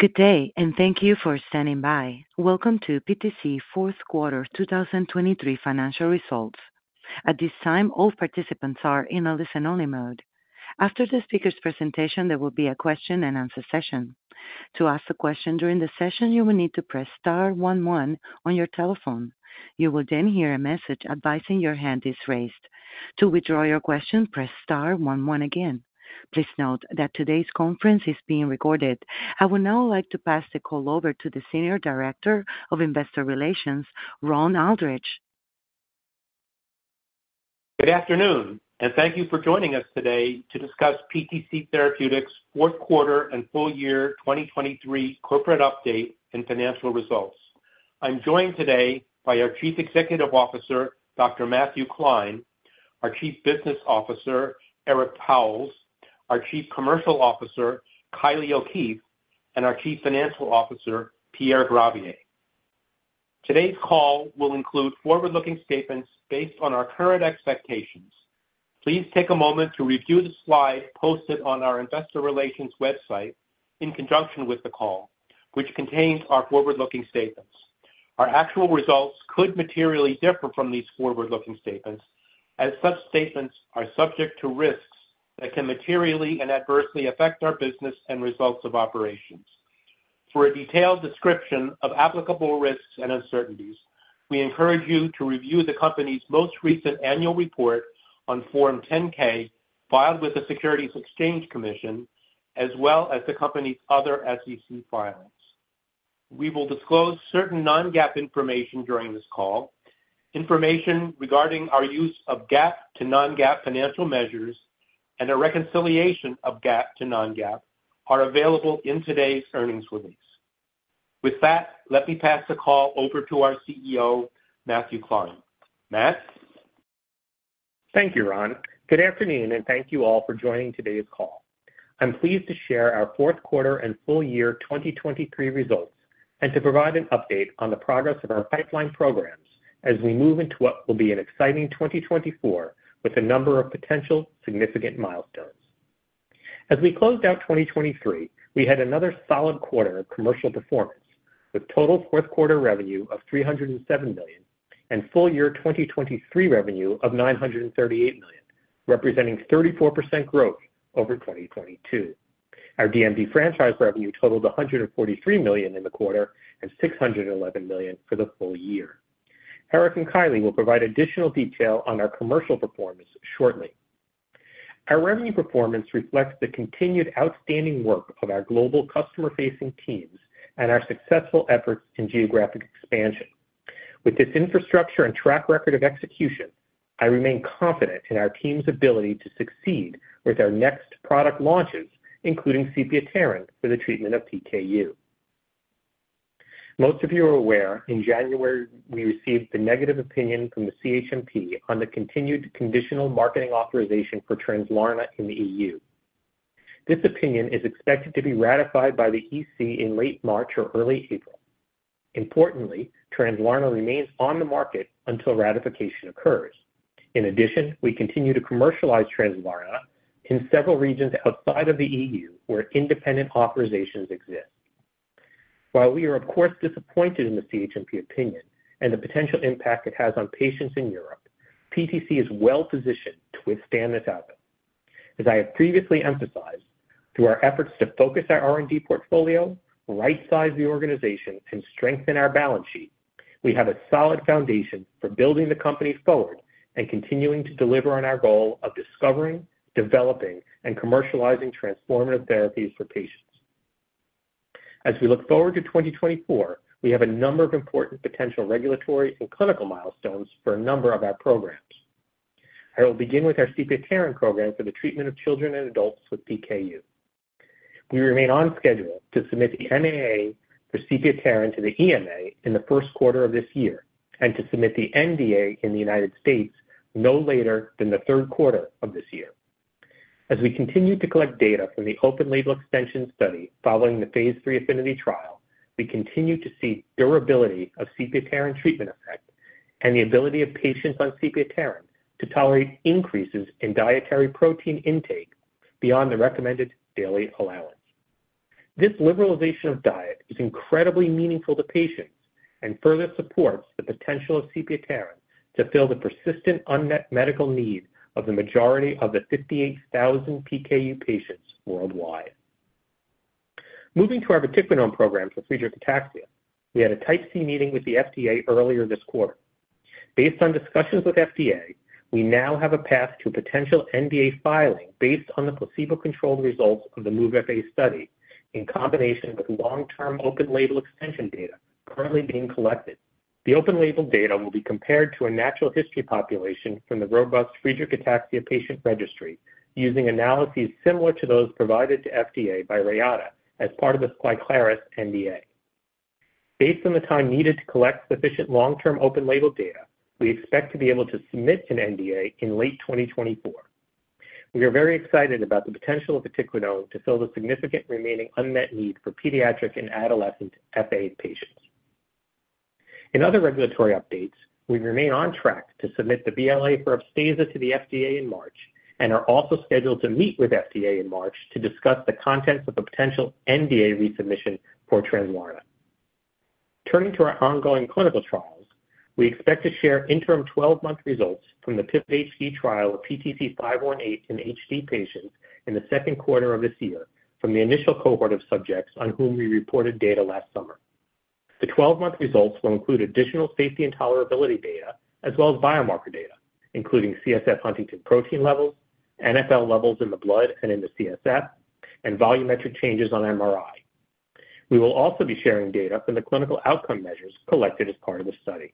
Good day and thank you for standing by. Welcome to PTC Fourth Quarter 2023 Financial Results. At this time, all participants are in a listen-only mode. After the speaker's presentation, there will be a question-and-answer session. To ask a question during the session, you will need to press star one one on your telephone. You will then hear a message advising your hand is raised. To withdraw your question, press star one one again. Please note that today's conference is being recorded. I would now like to pass the call over to the Senior Director of Investor Relations, Ron Aldridge. Good afternoon, and thank you for joining us today to discuss PTC Therapeutics' fourth quarter and full year 2023 corporate update and financial results. I'm joined today by our Chief Executive Officer, Dr. Matthew Klein, our Chief Business Officer, Eric Pauwels, our Chief Commercial Officer, Kylie O'Keefe, and our Chief Financial Officer, Pierre Gravier. Today's call will include forward-looking statements based on our current expectations. Please take a moment to review the slide posted on our Investor Relations website in conjunction with the call, which contains our forward-looking statements. Our actual results could materially differ from these forward-looking statements, as such statements are subject to risks that can materially and adversely affect our business and results of operations. For a detailed description of applicable risks and uncertainties, we encourage you to review the company's most recent annual report on Form 10-K filed with the Securities and Exchange Commission, as well as the company's other SEC filings. We will disclose certain non-GAAP information during this call. Information regarding our use of GAAP to non-GAAP financial measures and a reconciliation of GAAP to non-GAAP are available in today's earnings release. With that, let me pass the call over to our CEO, Matthew Klein. Matt? Thank you, Ron. Good afternoon, and thank you all for joining today's call. I'm pleased to share our fourth quarter and full year 2023 results and to provide an update on the progress of our pipeline programs as we move into what will be an exciting 2024 with a number of potential significant milestones. As we closed out 2023, we had another solid quarter of commercial performance, with total fourth quarter revenue of $307 million and full year 2023 revenue of $938 million, representing 34% growth over 2022. Our DMD franchise revenue totaled $143 million in the quarter and $611 million for the full year. Eric and Kylie will provide additional detail on our commercial performance shortly. Our revenue performance reflects the continued outstanding work of our global customer-facing teams and our successful efforts in geographic expansion. With this infrastructure and track record of execution, I remain confident in our team's ability to succeed with our next product launches, including sepiapterin for the treatment of PKU. Most of you are aware, in January, we received the negative opinion from the CHMP on the continued conditional marketing authorization for Translarna in the EU. This opinion is expected to be ratified by the EC in late March or early April. Importantly, Translarna remains on the market until ratification occurs. In addition, we continue to commercialize Translarna in several regions outside of the EU where independent authorizations exist. While we are, of course, disappointed in the CHMP opinion and the potential impact it has on patients in Europe, PTC is well positioned to withstand this outcome. As I have previously emphasized, through our efforts to focus our R&D portfolio, right-size the organization, and strengthen our balance sheet, we have a solid foundation for building the company forward and continuing to deliver on our goal of discovering, developing, and commercializing transformative therapies for patients. As we look forward to 2024, we have a number of important potential regulatory and clinical milestones for a number of our programs. I will begin with our sepiapterin program for the treatment of children and adults with PKU. We remain on schedule to submit the MAA for sepiapterin to the EMA in the first quarter of this year and to submit the NDA in the United States no later than the third quarter of this year. As we continue to collect data from the Open Label Extension study following the Phase III APHINITY study, we continue to see durability of sepiapterin treatment effect and the ability of patients on sepiapterin to tolerate increases in dietary protein intake beyond the recommended daily allowance. This liberalization of diet is incredibly meaningful to patients and further supports the potential of sepiapterin to fill the persistent unmet medical need of the majority of the 58,000 PKU patients worldwide. Moving to our vatiquinone program for Friedreich's ataxia, we had a Type C meeting with the FDA earlier this quarter. Based on discussions with FDA, we now have a path to potential NDA filing based on the placebo-controlled results of the MOVE-FA study in combination with long-term Open Label Extension data currently being collected. The Open Label data will be compared to a natural history population from the robust Friedreich's ataxia patient registry using analyses similar to those provided to FDA by Reata as part of the Skyclarys NDA. Based on the time needed to collect sufficient long-term Open Label data, we expect to be able to submit an NDA in late 2024. We are very excited about the potential of vatiquinone to fill the significant remaining unmet need for pediatric and adolescent FA patients. In other regulatory updates, we remain on track to submit the BLA for Upstaza to the FDA in March and are also scheduled to meet with FDA in March to discuss the contents of a potential NDA resubmission for Translarna. Turning to our ongoing clinical trials, we expect to share interim 12-month results from the PIVOT-HD trial of PTC518 in HD patients in the second quarter of this year from the initial cohort of subjects on whom we reported data last summer. The 12-month results will include additional safety and tolerability data as well as biomarker data, including CSF Huntington protein levels, NfL levels in the blood and in the CSF, and volumetric changes on MRI. We will also be sharing data from the clinical outcome measures collected as part of the study.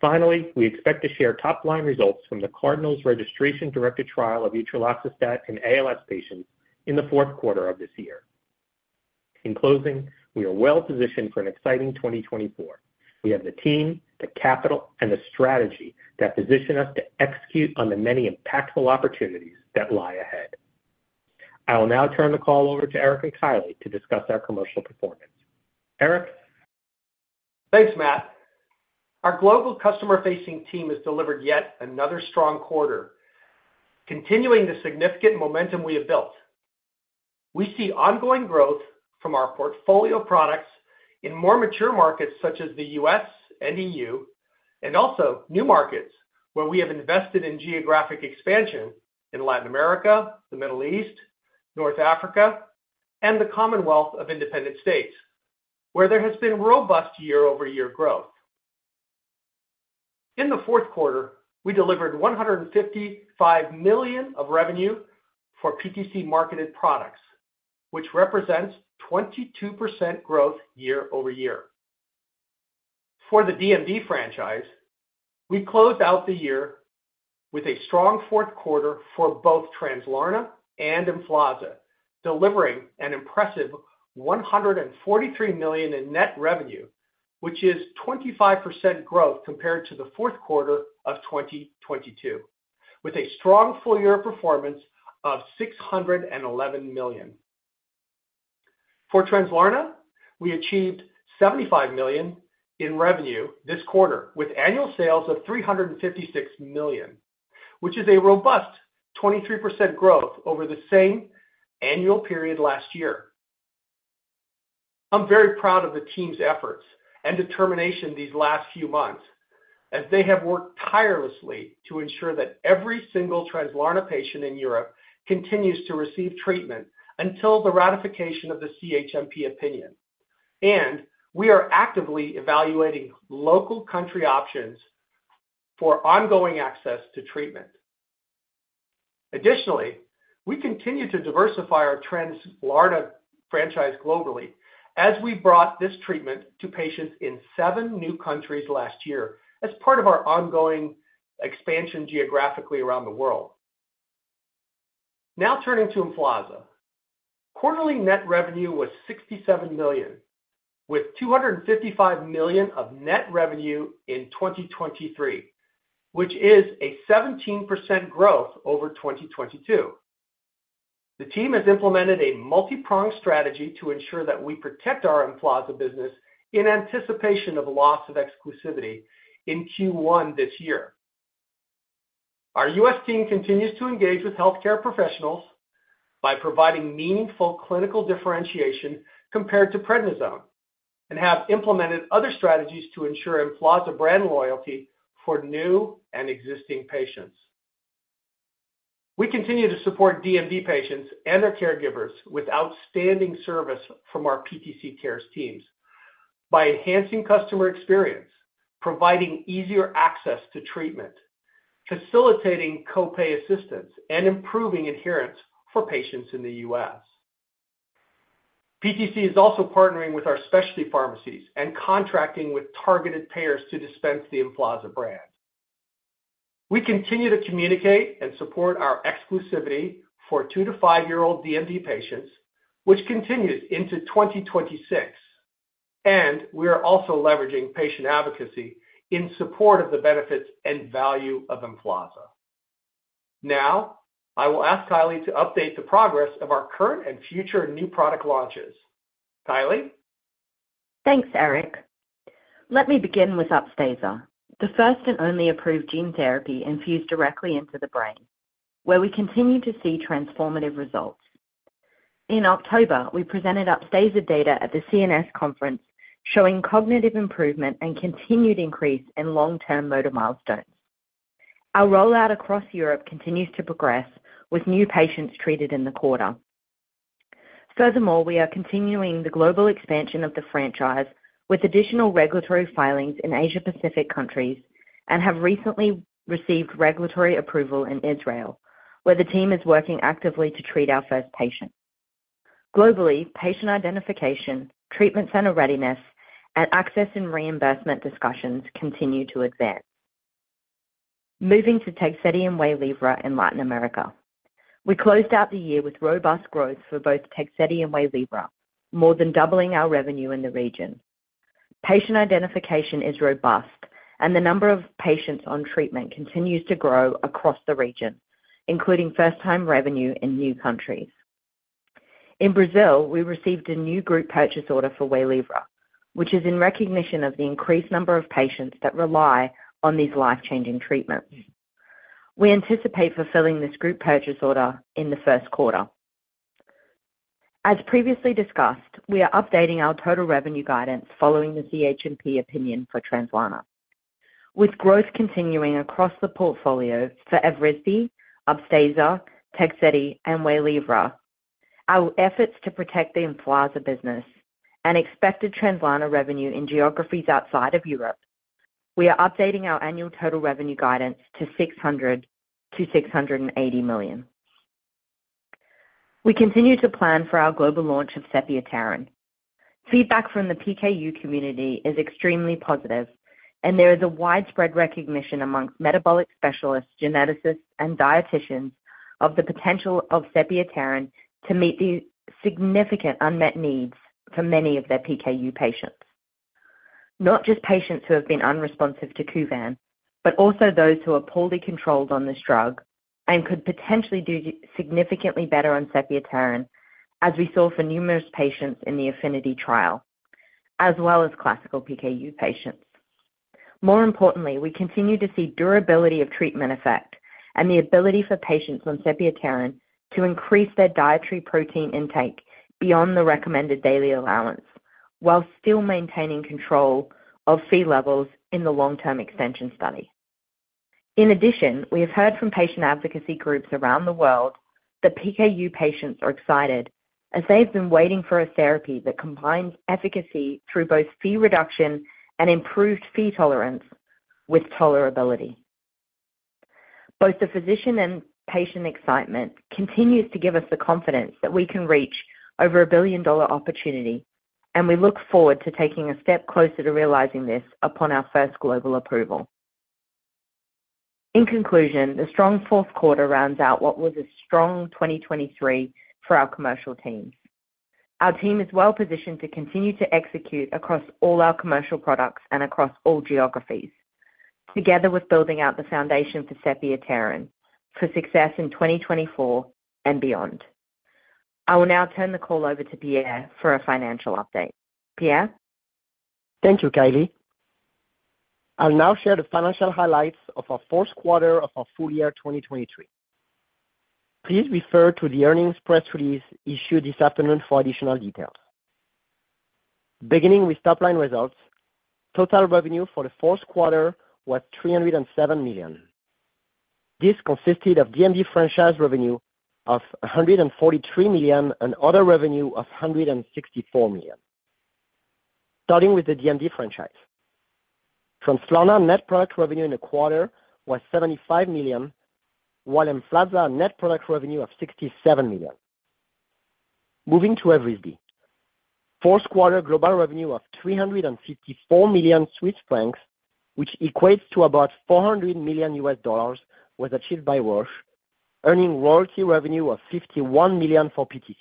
Finally, we expect to share top-line results from the CARDINAL registration-directed trial of utreloxostat in ALS patients in the fourth quarter of this year. In closing, we are well positioned for an exciting 2024. We have the team, the capital, and the strategy that position us to execute on the many impactful opportunities that lie ahead. I will now turn the call over to Eric and Kylie to discuss our commercial performance. Eric? Thanks, Matt. Our global customer-facing team has delivered yet another strong quarter, continuing the significant momentum we have built. We see ongoing growth from our portfolio products in more mature markets such as the US and EU, and also new markets where we have invested in geographic expansion in Latin America, the Middle East, North Africa, and the Commonwealth of Independent States, where there has been robust year-over-year growth. In the fourth quarter, we delivered $155 million of revenue for PTC-marketed products, which represents 22% growth year-over-year. For the DMD franchise, we closed out the year with a strong fourth quarter for both Translarna and Emflaza, delivering an impressive $143 million in net revenue, which is 25% growth compared to the fourth quarter of 2022, with a strong full-year performance of $611 million. For Translarna, we achieved $75 million in revenue this quarter with annual sales of $356 million, which is a robust 23% growth over the same annual period last year. I'm very proud of the team's efforts and determination these last few months, as they have worked tirelessly to ensure that every single Translarna patient in Europe continues to receive treatment until the ratification of the CHMP opinion, and we are actively evaluating local country options for ongoing access to treatment. Additionally, we continue to diversify our Translarna franchise globally as we brought this treatment to patients in seven new countries last year as part of our ongoing expansion geographically around the world. Now turning to Emflaza. Quarterly net revenue was $67 million, with $255 million of net revenue in 2023, which is a 17% growth over 2022. The team has implemented a multi-pronged strategy to ensure that we protect our Emflaza business in anticipation of loss of exclusivity in Q1 this year. Our U.S. team continues to engage with healthcare professionals by providing meaningful clinical differentiation compared to prednisone, and have implemented other strategies to ensure Emflaza brand loyalty for new and existing patients. We continue to support DMD patients and their caregivers with outstanding service from our PTC CARES teams by enhancing customer experience, providing easier access to treatment, facilitating copay assistance, and improving adherence for patients in the U.S. PTC is also partnering with our specialty pharmacies and contracting with targeted payers to dispense the Emflaza brand. We continue to communicate and support our exclusivity for two-five-year-old DMD patients, which continues into 2026, and we are also leveraging patient advocacy in support of the benefits and value of Emflaza. Now, I will ask Kylie to update the progress of our current and future new product launches. Kylie? Thanks, Eric. Let me begin with Upstaza, the first and only approved gene therapy infused directly into the brain, where we continue to see transformative results. In October, we presented Upstaza data at the CNS conference showing cognitive improvement and continued increase in long-term motor milestones. Our rollout across Europe continues to progress with new patients treated in the quarter. Furthermore, we are continuing the global expansion of the franchise with additional regulatory filings in Asia-Pacific countries and have recently received regulatory approval in Israel, where the team is working actively to treat our first patient. Globally, patient identification, treatment center readiness, and access and reimbursement discussions continue to advance. Moving to Tegsedi and Waylivra in Latin America. We closed out the year with robust growth for both Tegsedi and Waylivra, more than doubling our revenue in the region. Patient identification is robust, and the number of patients on treatment continues to grow across the region, including first-time revenue in new countries. In Brazil, we received a new group purchase order for Waylivra, which is in recognition of the increased number of patients that rely on these life-changing treatments. We anticipate fulfilling this group purchase order in the first quarter. As previously discussed, we are updating our total revenue guidance following the CHMP opinion for Translarna. With growth continuing across the portfolio for Evrysdi, Upstaza, Tegsedi, and Waylivra, our efforts to protect the Emflaza business and expected Translarna revenue in geographies outside of Europe, we are updating our annual total revenue guidance to $600 million-$680 million. We continue to plan for our global launch of sepiapterin. Feedback from the PKU community is extremely positive, and there is a widespread recognition among metabolic specialists, geneticists, and dietitians of the potential of sepiapterin to meet the significant unmet needs for many of their PKU patients. Not just patients who have been unresponsive to Kuvan, but also those who are poorly controlled on this drug and could potentially do significantly better on sepiapterin, as we saw for numerous patients in the APHENITY Trial, as well as classical PKU patients. More importantly, we continue to see durability of treatment effect and the ability for patients on sepiapterin to increase their dietary protein intake beyond the recommended daily allowance while still maintaining control of Phe levels in the long-term extension study. In addition, we have heard from patient advocacy groups around the world that PKU patients are excited as they have been waiting for a therapy that combines efficacy through both Phe reduction and improved Phe tolerance with tolerability. Both the physician and patient excitement continues to give us the confidence that we can reach over a billion-dollar opportunity, and we look forward to taking a step closer to realizing this upon our first global approval. In conclusion, the strong fourth quarter rounds out what was a strong 2023 for our commercial teams. Our team is well positioned to continue to execute across all our commercial products and across all geographies, together with building out the foundation for Sepiapterin for success in 2024 and beyond. I will now turn the call over to Pierre for a financial update. Pierre? Thank you, Kylie. I'll now share the financial highlights of our fourth quarter of our full year 2023. Please refer to the earnings press release issued this afternoon for additional details. Beginning with top-line results, total revenue for the fourth quarter was $307 million. This consisted of DMD franchise revenue of $143 million and other revenue of $164 million. Starting with the DMD franchise, Translarna net product revenue in the quarter was $75 million, while Emflaza net product revenue of $67 million. Moving to Evrysdi, fourth quarter global revenue of 354 million Swiss francs, which equates to about $400 million, was achieved by Roche, earning royalty revenue of $51 million for PTC.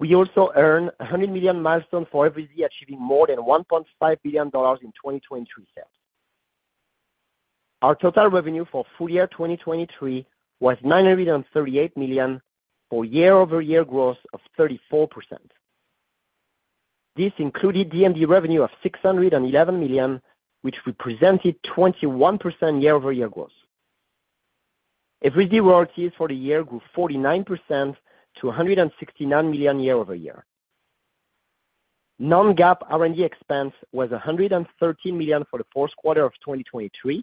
We also earned a $100 million milestone for Evrysdi achieving more than $1.5 billion in 2023 sales. Our total revenue for full year 2023 was $938 million for year-over-year growth of 34%. This included DMD revenue of $611 million, which represented 21% year-over-year growth. Evrysdi royalties for the year grew 49% to $169 million year-over-year. Non-GAAP R&D expense was $113 million for the fourth quarter of 2023,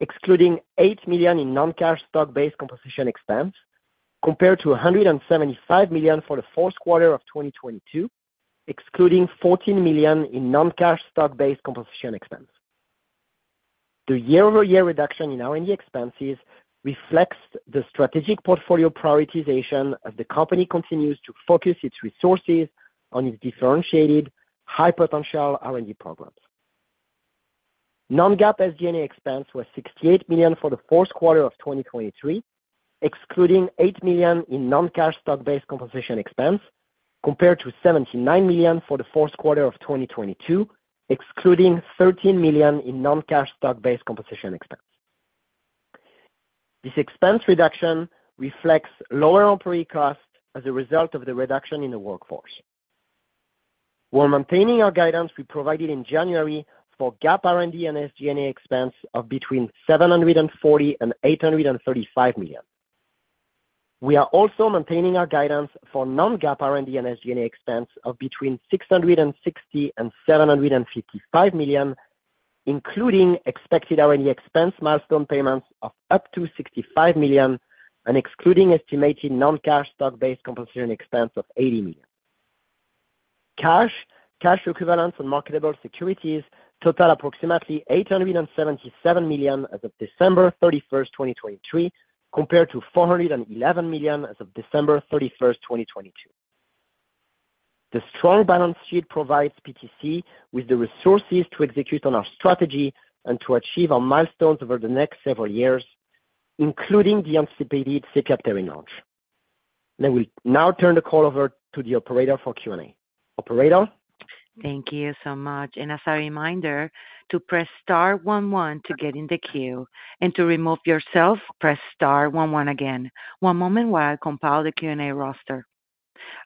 excluding $8 million in non-cash stock-based compensation expense, compared to $175 million for the fourth quarter of 2022, excluding $14 million in non-cash stock-based compensation expense. The year-over-year reduction in R&D expenses reflects the strategic portfolio prioritization as the company continues to focus its resources on its differentiated, high-potential R&D programs. Non-GAAP SG&A expense was $68 million for the fourth quarter of 2023, excluding $8 million in non-cash stock-based compensation expense, compared to $79 million for the fourth quarter of 2022, excluding $13 million in non-cash stock-based compensation expense. This expense reduction reflects lower employee costs as a result of the reduction in the workforce. We're maintaining our guidance we provided in January for GAAP R&D and SG&A expense of between $740 million-$835 million. We are also maintaining our guidance for non-GAAP R&D and SG&A expense of between $660 million-$755 million, including expected R&D expense milestone payments of up to $65 million and excluding estimated non-cash stock-based compensation expense of $80 million. Cash, cash equivalents, and marketable securities total approximately $877 million as of December 31st, 2023, compared to $411 million as of December 31st, 2022. The strong balance sheet provides PTC with the resources to execute on our strategy and to achieve our milestones over the next several years, including the anticipated Sepiapterin launch. I will now turn the call over to the operator for Q&A. Operator? Thank you so much. As a reminder, to press star one one to get in the queue and to remove yourself, press star one one again. One moment while I compile the Q&A roster.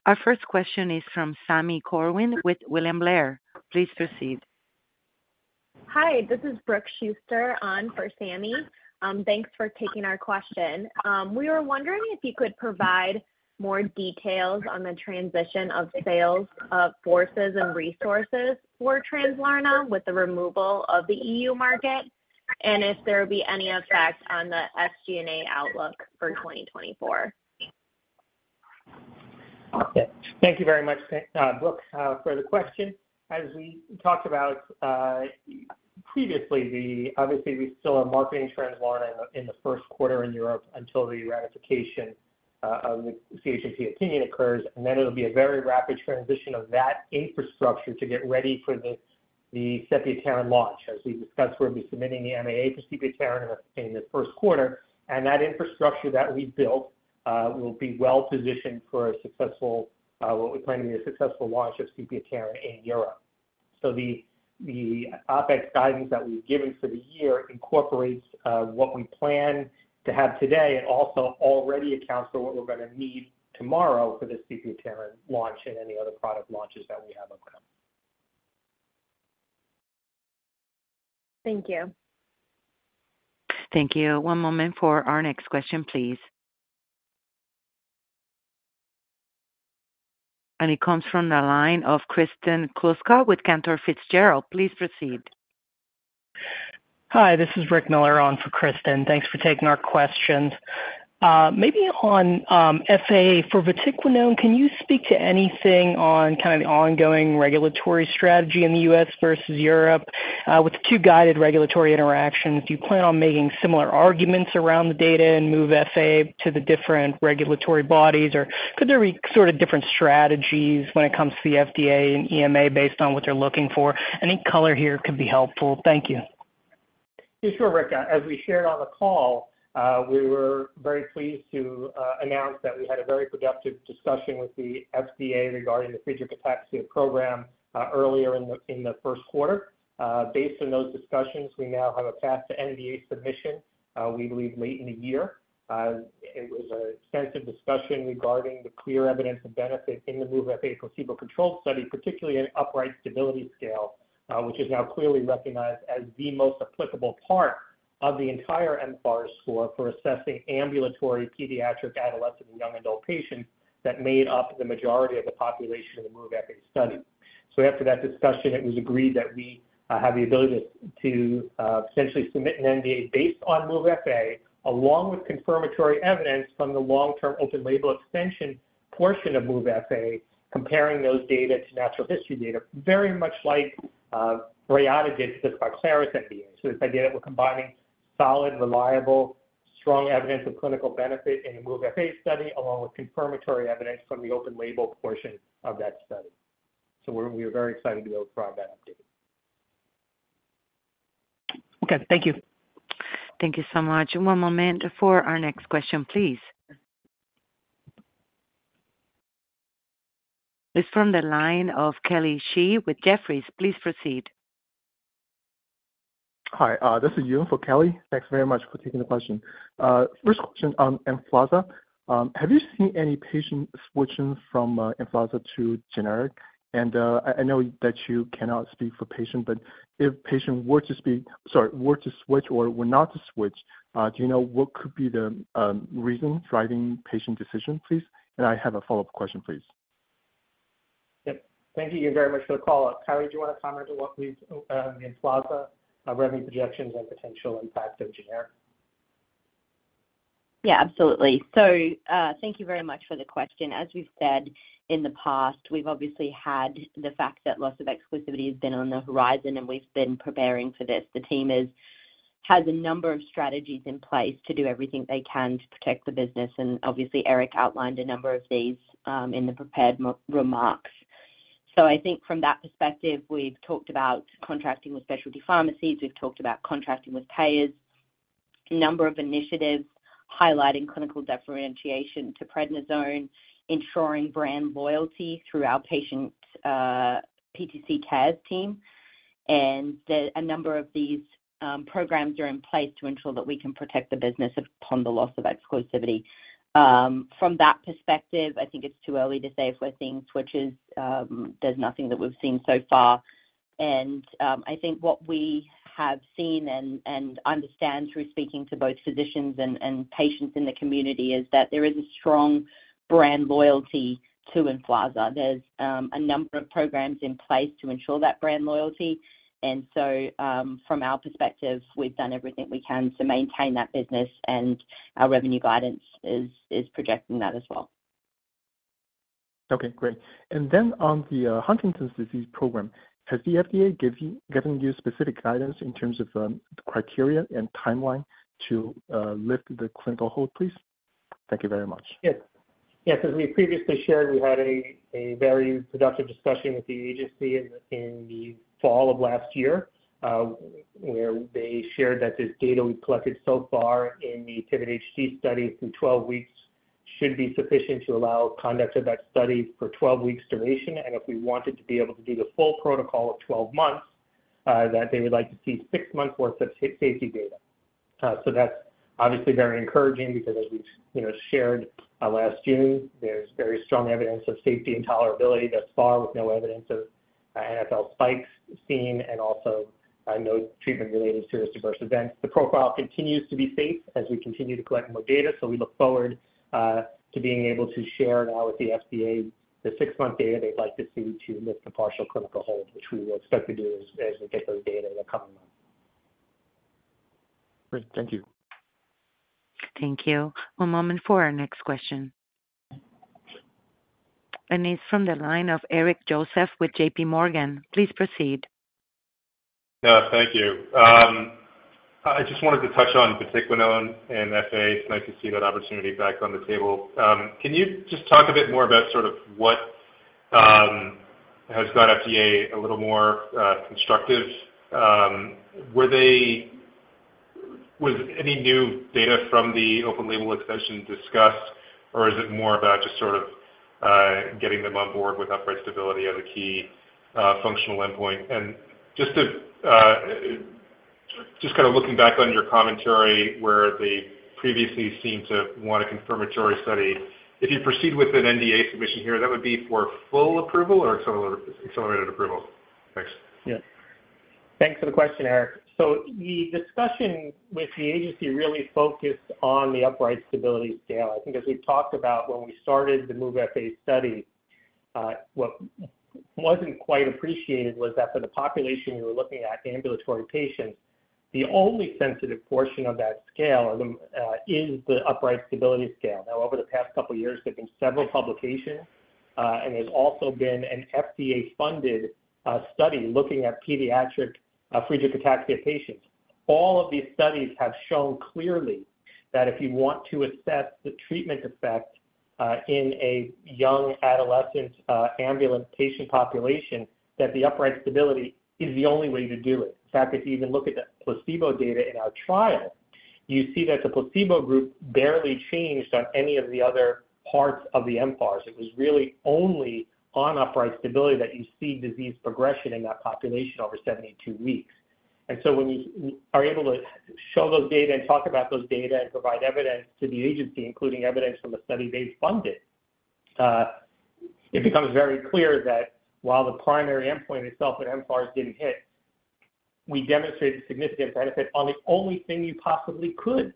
Our first question is from Sammy Corwin with William Blair. Please proceed. Hi, this is Brooke Schuster on for Sammy. Thanks for taking our question. We were wondering if you could provide more details on the transition of sales force and resources for Translarna with the removal of the EU market, and if there would be any effect on the SD&A outlook for 2024. Okay. Thank you very much, Brooke, for the question. As we talked about previously, obviously, we still are marketing Translarna in the first quarter in Europe until the ratification of the CHMP opinion occurs, and then it'll be a very rapid transition of that infrastructure to get ready for the Sepiapterin launch, as we discussed where we'll be submitting the MAA for Sepiapterin in the first quarter. And that infrastructure that we built will be well-positioned for what we plan to be a successful launch of Sepiapterin in Europe. So the OpEx guidance that we've given for the year incorporates what we plan to have today. It also already accounts for what we're going to need tomorrow for the Sepiapterin launch and any other product launches that we have upcoming. Thank you. Thank you. One moment for our next question, please. It comes from the line of Kristen Kluska with Cantor Fitzgerald. Please proceed. Hi, this is Rick Miller on for Kristen. Thanks for taking our questions. Maybe on FA for vatiquinone, can you speak to anything on kind of the ongoing regulatory strategy in the U.S. versus Europe with the two guided regulatory interactions? Do you plan on making similar arguments around the data and MOVE-FA to the different regulatory bodies, or could there be sort of different strategies when it comes to the FDA and EMA based on what they're looking for? Any color here could be helpful. Thank you. Yeah, sure, Rick. As we shared on the call, we were very pleased to announce that we had a very productive discussion with the FDA regarding the Friedreich's Ataxia program earlier in the first quarter. Based on those discussions, we now have a path to NDA submission, we believe, late in the year. It was an extensive discussion regarding the clear evidence of benefit in the MOVE-FA placebo-controlled study, particularly an upright stability scale, which is now clearly recognized as the most applicable part of the entire mFARS score for assessing ambulatory pediatric, adolescent, and young adult patients that made up the majority of the population in the MOVE-FA study. So after that discussion, it was agreed that we have the ability to potentially submit an NDA based on MOVE-FA, along with confirmatory evidence from the long-term open label extension portion of MOVE-FA, comparing those data to natural history data, very much like Reata did for the Skyclarys NDA. So this idea that we're combining solid, reliable, strong evidence of clinical benefit in the MOVE-FA study, along with confirmatory evidence from the open label portion of that study. So we're very excited to be able to provide that update. Okay. Thank you. Thank you so much. One moment for our next question, please. It's from the line of Kelly Xie with Jefferies. Please proceed. Hi, this is Yuen for Kelly. Thanks very much for taking the question. First question on Emflaza. Have you seen any patient switching from Emflaza to generic? And I know that you cannot speak for patient, but if patient were to switch or were not to switch, do you know what could be the reason driving patient decision, please? I have a follow-up question, please. Yep. Thank you very much for the call-up. Kylie, do you want to comment on what we've the Emflaza revenue projections and potential impact of generic? Yeah, absolutely. Thank you very much for the question. As we've said in the past, we've obviously had the fact that loss of exclusivity has been on the horizon, and we've been preparing for this. The team has a number of strategies in place to do everything they can to protect the business. Obviously, Eric outlined a number of these in the prepared remarks. I think from that perspective, we've talked about contracting with specialty pharmacies. We've talked about contracting with payers, a number of initiatives highlighting clinical differentiation to prednisone, ensuring brand loyalty through our patient PTC CARES team. And a number of these programs are in place to ensure that we can protect the business upon the loss of exclusivity. From that perspective, I think it's too early to say if we're seeing switches. There's nothing that we've seen so far. I think what we have seen and understand through speaking to both physicians and patients in the community is that there is a strong brand loyalty to Emflaza. There's a number of programs in place to ensure that brand loyalty. So from our perspective, we've done everything we can to maintain that business, and our revenue guidance is projecting that as well. Okay. Great. And then on the Huntington's disease program, has the FDA given you specific guidance in terms of criteria and timeline to lift the clinical hold, please? Thank you very much. Yes. Yes. As we previously shared, we had a very productive discussion with the agency in the fall of last year where they shared that this data we've collected so far in the PIVOT-HD study through 12 weeks should be sufficient to allow conduct of that study for 12 weeks' duration. And if we wanted to be able to do the full protocol of 12 months, that they would like to see six months' worth of safety data. So that's obviously very encouraging because, as we've shared last June, there's very strong evidence of safety and tolerability thus far with no evidence of NfL spikes seen and also no treatment-related serious adverse events. The profile continues to be safe as we continue to collect more data. So we look forward to being able to share now with the FDA the 6-month data they'd like to see to lift the partial clinical hold, which we will expect to do as we get those data in the coming months. Great. Thank you. Thank you. One moment for our next question. It's from the line of Eric Joseph with JPMorgan. Please proceed. Yeah. Thank you. I just wanted to touch on Vatiquinone and FA. It's nice to see that opportunity back on the table. Can you just talk a bit more about sort of what has got FDA a little more constructive? Was any new data from the open label extension discussed, or is it more about just sort of getting them on board with upright stability as a key functional endpoint? And just kind of looking back on your commentary where they previously seemed to want a confirmatory study, if you proceed with an NDA submission here, that would be for full approval or accelerated approval? Thanks. Yeah. Thanks for the question, Eric. So the discussion with the agency really focused on the upright stability scale. I think as we've talked about when we started the MOVE-FA study, what wasn't quite appreciated was that for the population we were looking at, ambulatory patients, the only sensitive portion of that scale is the upright stability scale. Now, over the past couple of years, there have been several publications, and there's also been an FDA-funded study looking at pediatric Friedreich's patients. All of these studies have shown clearly that if you want to assess the treatment effect in a young adolescent ambulant patient population, that the upright stability is the only way to do it. In fact, if you even look at the placebo data in our trial, you see that the placebo group barely changed on any of the other parts of the mFARS. It was really only on upright stability that you see disease progression in that population over 72 weeks. And so when you are able to show those data and talk about those data and provide evidence to the agency, including evidence from a study they've funded, it becomes very clear that while the primary endpoint itself in mFARS didn't hit, we demonstrated significant benefit on the only thing you possibly could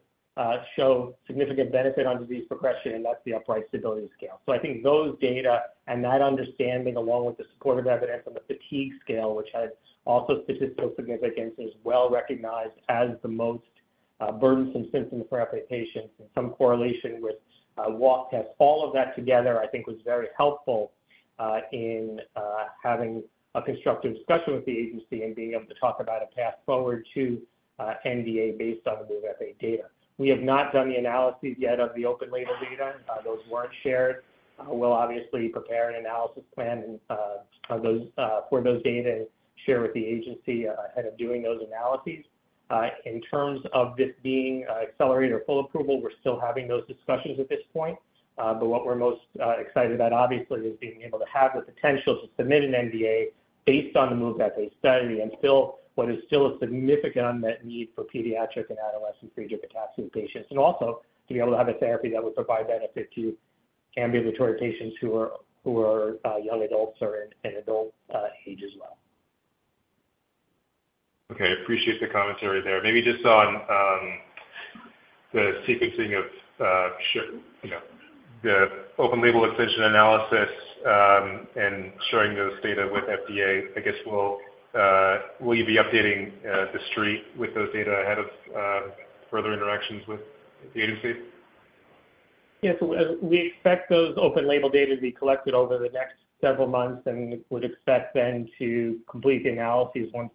show significant benefit on disease progression, and that's the upright stability scale. So I think those data and that understanding, along with the supportive evidence on the fatigue scale, which has also statistical significance and is well recognized as the most burdensome symptom for FA patients in some correlation with walk tests, all of that together, I think, was very helpful in having a constructive discussion with the agency and being able to talk about a path forward to NDA based on the MOVE-FA data. We have not done the analysis yet of the open label data. Those weren't shared. We'll obviously prepare an analysis plan for those data and share with the agency ahead of doing those analyses. In terms of this being accelerated or full approval, we're still having those discussions at this point. But what we're most excited about, obviously, is being able to have the potential to submit an NDA based on the MOVE-FA study and still what is still a significant unmet need for pediatric and adolescent Friedreich's ataxia patients, and also to be able to have a therapy that would provide benefit to ambulatory patients who are young adults or in adult age as well. Okay. Appreciate the commentary there. Maybe just on the sequencing of the Open Label Extension analysis and showing those data with FDA, I guess, will you be updating the street with those data ahead of further interactions with the agency? Yes. We expect those open label data to be collected over the next several months and would expect then to complete the analyses once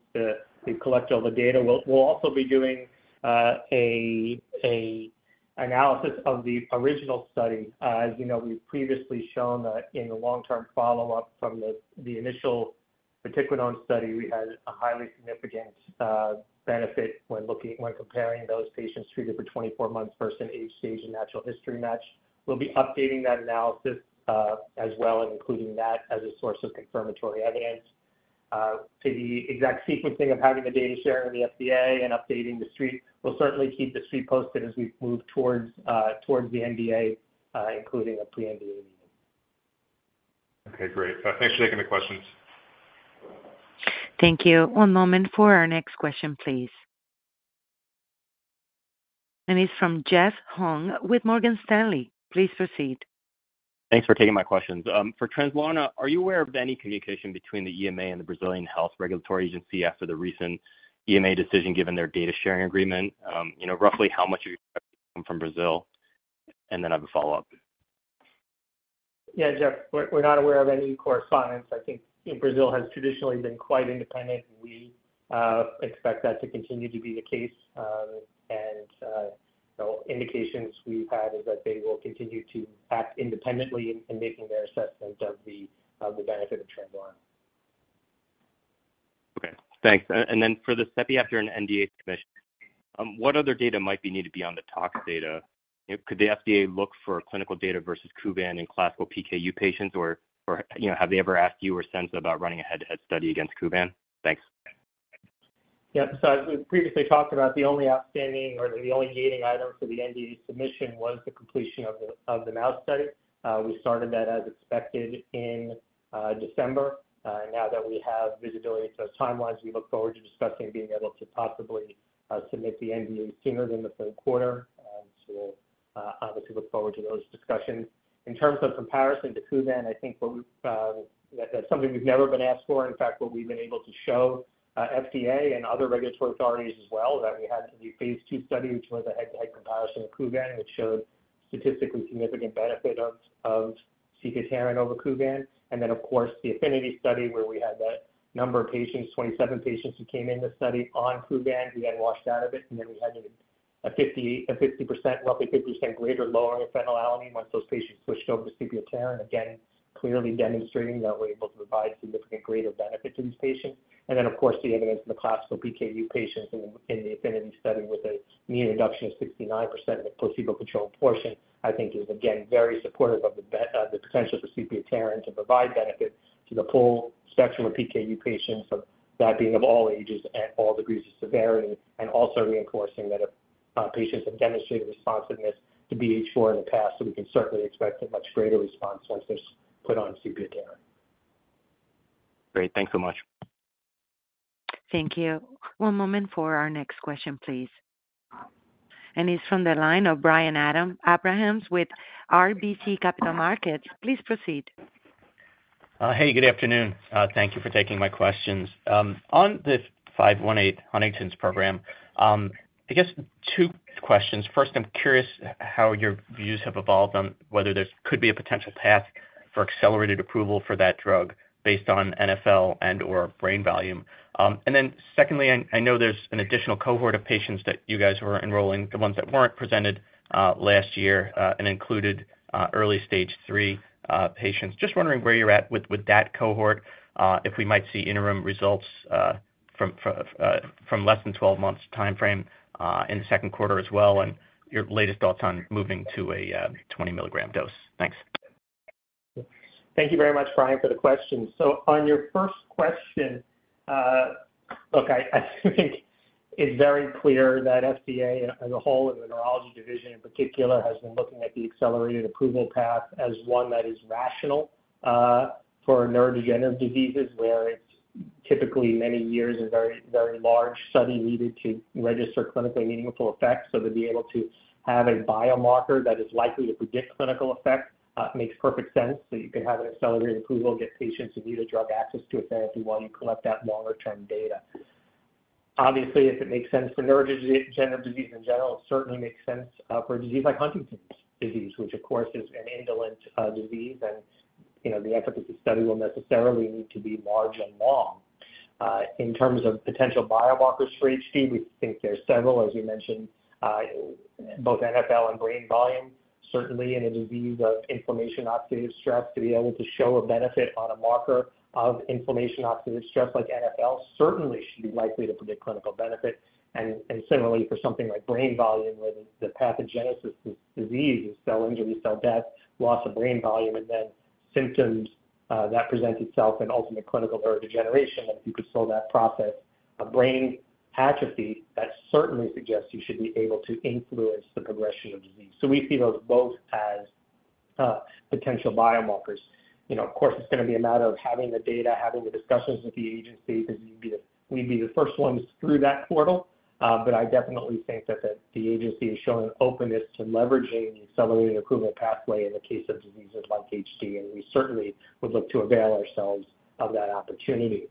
we collect all the data. We'll also be doing an analysis of the original study. As you know, we've previously shown that in the long-term follow-up from the initial vatiquinone study, we had a highly significant benefit when comparing those patients treated for 24 months versus an age stage and natural history match. We'll be updating that analysis as well and including that as a source of confirmatory evidence. To the exact sequencing of having the data shared with the FDA and updating the Street, we'll certainly keep the Street posted as we move towards the NDA, including a pre-NDA meeting. Okay. Great. Thanks for taking the questions. Thank you. One moment for our next question, please. And it's from Jeff Hung with Morgan Stanley. Please proceed. Thanks for taking my questions. For Translarna, are you aware of any communication between the EMA and the Brazilian Health Regulatory Agency after the recent EMA decision given their data-sharing agreement? Roughly, how much of your data will come from Brazil? And then I have a follow-up. Yeah, Jeff. We're not aware of any correspondence. I think Brazil has traditionally been quite independent, and we expect that to continue to be the case. And indications we've had is that they will continue to act independently in making their assessment of the benefit of Translarna. Okay. Thanks. And then for the sepi after an NDA submission, what other data might be needed beyond the tox data? Could the FDA look for clinical data versus Kuvan and classical PKU patients, or have they ever asked you or said about running a head-to-head study against Kuvan? Thanks. Yep. So as we previously talked about, the only outstanding or the only gating item for the NDA submission was the completion of the mouse study. We started that as expected in December. Now that we have visibility to those timelines, we look forward to discussing being able to possibly submit the NDA sooner than the third quarter. So we'll obviously look forward to those discussions. In terms of comparison to Kuvan, I think that's something we've never been asked for. In fact, what we've been able to show FDA and other regulatory authorities as well is that we had the phase two study, which was a head-to-head comparison of Kuvan, which showed statistically significant benefit of sepiapterin over Kuvan. And then, of course, the APHENITY study where we had that number of patients, 27 patients who came in the study on Kuvan, who then washed out of it, and then we had a 50%, roughly 50% greater lowering of phenylalanine once those patients switched over to sepiapterin, again clearly demonstrating that we're able to provide significant greater benefit to these patients. And then, of course, the evidence in the classical PKU patients in the APHENITY study with a mean reduction of 69% in the placebo-controlled portion, I think, is again very supportive of the potential for sepiapterin to provide benefit to the full spectrum of PKU patients, that being of all ages and all degrees of severity, and also reinforcing that if patients have demonstrated responsiveness to BH4 in the past, so we can certainly expect a much greater response once they're put on sepiapterin. Great. Thanks so much. Thank you. One moment for our next question, please. It's from the line of Brian Abrahams with RBC Capital Markets. Please proceed. Hey. Good afternoon. Thank you for taking my questions. On the 518 Huntington's program, I guess two questions. First, I'm curious how your views have evolved on whether there could be a potential path for accelerated approval for that drug based on NfL and/or brain volume. And then secondly, I know there's an additional cohort of patients that you guys were enrolling, the ones that weren't presented last year and included early stage III patients. Just wondering where you're at with that cohort, if we might see interim results from less than 12 months' timeframe in the second quarter as well, and your latest thoughts on moving to a 20-mg dose. Thanks. Thank you very much, Brian, for the questions. So on your first question, look, I think it's very clear that FDA as a whole and the neurology division in particular has been looking at the accelerated approval path as one that is rational for neurodegenerative diseases where it's typically many years and very, very large study needed to register clinically meaningful effects. So to be able to have a biomarker that is likely to predict clinical effect makes perfect sense. So you can have an accelerated approval, get patients immediate access to a therapy while you collect that longer-term data. Obviously, if it makes sense for neurodegenerative disease in general, it certainly makes sense for a disease like Huntington's disease, which, of course, is an indolent disease. And the efforts of the study will necessarily need to be large and long. In terms of potential biomarkers for HD, we think there are several, as you mentioned, both NfL and brain volume. Certainly, in a disease of inflammation-oxidative stress, to be able to show a benefit on a marker of inflammation-oxidative stress like NfL certainly should be likely to predict clinical benefit. Similarly, for something like brain volume where the pathogenesis of disease is cell injury, cell death, loss of brain volume, and then symptoms that present itself in ultimate clinical neurodegeneration, and if you could slow that process, a brain atrophy, that certainly suggests you should be able to influence the progression of disease. We see those both as potential biomarkers. Of course, it's going to be a matter of having the data, having the discussions with the agency because we'd be the first ones through that portal. But I definitely think that the agency is showing openness to leveraging the accelerated approval pathway in the case of diseases like HD. And we certainly would look to avail ourselves of that opportunity.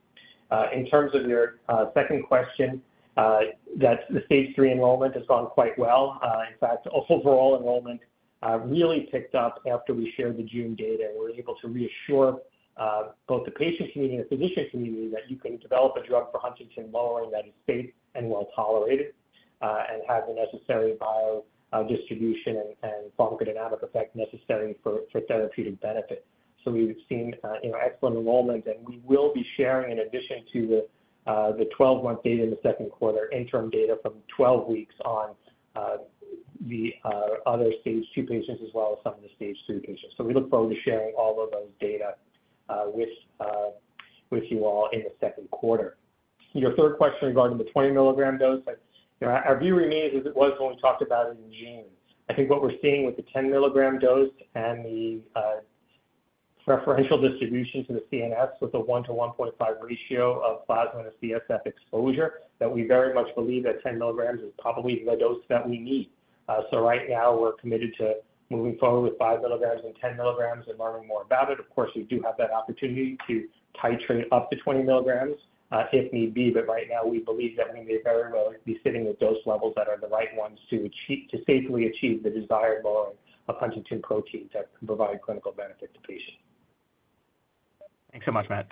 In terms of your second question, the Phase III enrollment has gone quite well. In fact, overall enrollment really picked up after we shared the June data. We're able to reassure both the patient community and the physician community that you can develop a drug for HTT lowering that is safe and well-tolerated and has the necessary biodistribution and pharmacodynamic effect necessary for therapeutic benefit. So we've seen excellent enrollment. And we will be sharing, in addition to the 12-month data in the second quarter, interim data from 12 weeks on the other Phase II patients as well as some of the Phase III patients. So we look forward to sharing all of those data with you all in the second quarter. Your third question regarding the 20-milligram dose, our view remains as it was when we talked about it in June. I think what we're seeing with the 10-milligram dose and the preferential distribution to the CNS with a 1:1.5 ratio of plasma and a CSF exposure, that we very much believe that 10 milligrams is probably the dose that we need. So right now, we're committed to moving forward with 5 milligrams and 10 milligrams and learning more about it. Of course, we do have that opportunity to titrate up to 20 milligrams if need be. But right now, we believe that we may very well be sitting with dose levels that are the right ones to safely achieve the desired lowering of Huntington proteins that can provide clinical benefit to patients. Thanks so much, Matt.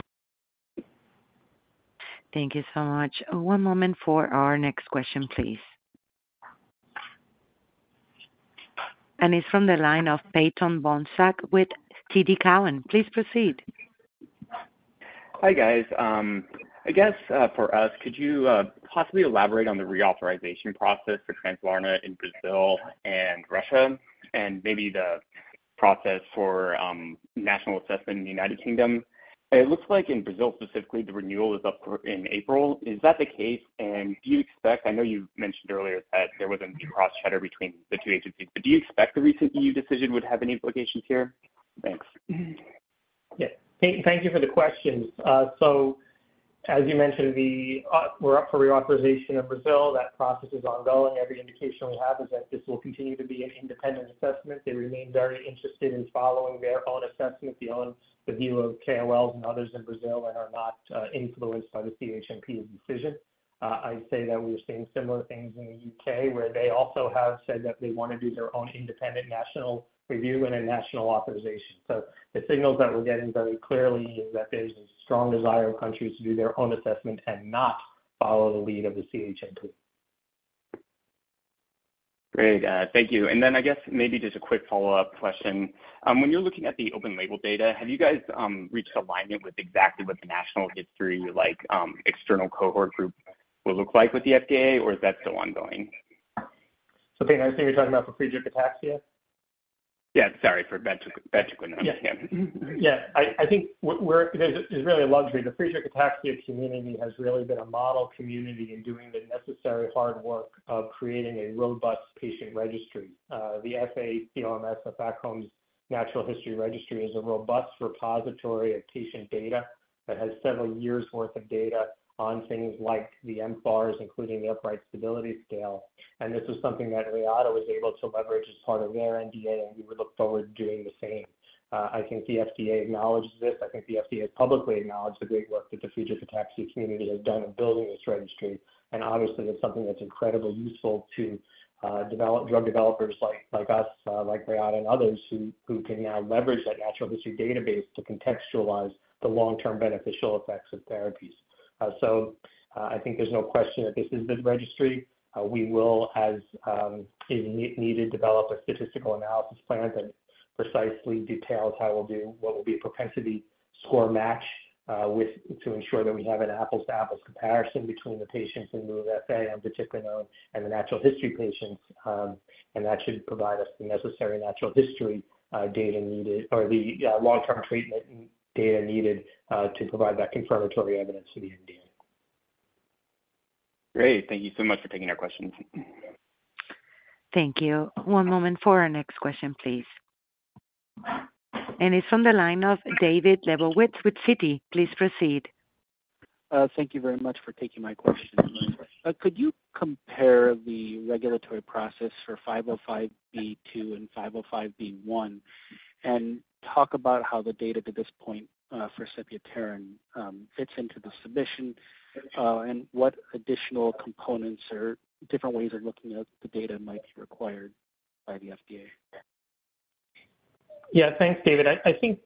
Thank you so much. One moment for our next question, please. It's from the line of Peyton Bonsack with TD Cowen. Please proceed. Hi, guys. I guess for us, could you possibly elaborate on the reauthorization process for Translarna in Brazil and Russia and maybe the process for national assessment in the United Kingdom? It looks like in Brazil specifically, the renewal is up in April. Is that the case? And do you expect? I know you mentioned earlier that there wasn't any cross-checker between the two agencies. But do you expect the recent EU decision would have any implications here? Thanks. Yes. Thank you for the questions. So as you mentioned, we're up for reauthorization in Brazil. That process is ongoing. Every indication we have is that this will continue to be an independent assessment. They remain very interested in following their own assessment, the view of KOLs and others in Brazil, and are not influenced by the CHMP's decision. I'd say that we're seeing similar things in the U.K. where they also have said that they want to do their own independent national review and a national authorization. So the signals that we're getting very clearly is that there's a strong desire of countries to do their own assessment and not follow the lead of the CHMP. Great. Thank you. And then I guess maybe just a quick follow-up question. When you're looking at the open label data, have you guys reached alignment with exactly what the natural history, like external cohort group, will look like with the FDA, or is that still ongoing? Pete, I see you're talking about for Friedreich's? Yeah. Sorry for bad taco numbers. Yeah. I think there's really a luxury. The Friedreich's ataxia community has really been a model community in doing the necessary hard work of creating a robust patient registry. The FACOMS, the FACOMS Natural History Registry, is a robust repository of patient data that has several years' worth of data on things like the mFARS, including the upright stability scale. And this is something that Reata was able to leverage as part of their NDA, and we would look forward to doing the same. I think the FDA acknowledges this. I think the FDA has publicly acknowledged the great work that the Friedreich's ataxia community has done in building this registry. And obviously, it's something that's incredibly useful to drug developers like us, like Reata and others, who can now leverage that natural history database to contextualize the long-term beneficial effects of therapies. I think there's no question that this is the registry. We will, as needed, develop a statistical analysis plan that precisely details how we'll do what will be a propensity score match to ensure that we have an apples-to-apples comparison between the patients in MOVE-FA, and particularly known, and the natural history patients. That should provide us the necessary natural history data needed or the long-term treatment data needed to provide that confirmatory evidence to the NDA. Great. Thank you so much for taking our questions. Thank you. One moment for our next question, please. It's from the line of David Lebowitz with Citi. Please proceed. Thank you very much for taking my question. Could you compare the regulatory process for 505(b)(2) and 505(b)(1) and talk about how the data to this point for sepiapterin fits into the submission and what additional components or different ways of looking at the data might be required by the FDA? Yeah. Thanks, David. I think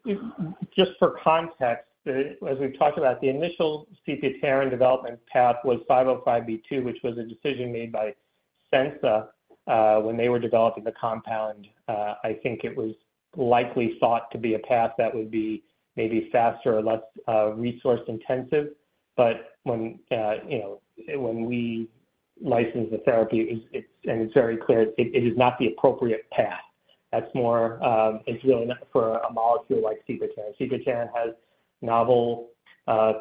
just for context, as we've talked about, the initial sepiapterin development path was 505(b)(2), which was a decision made by Censa when they were developing the compound. I think it was likely thought to be a path that would be maybe faster or less resource-intensive. But when we license the therapy, and it's very clear, it is not the appropriate path. It's really not for a molecule like sepiapterin. Sepiapterin has novel